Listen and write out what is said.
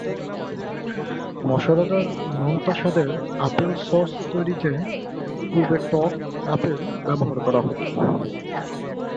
মশলাদার নোনতা স্বাদের আপেল সস তৈরিতে পূর্বে টক আপেল ব্যবহার করা হত।